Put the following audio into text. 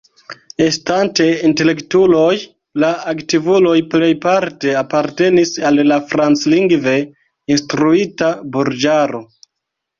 Estante intelektuloj, la aktivuloj plejparte apartenis al la franclingve instruita burĝaro.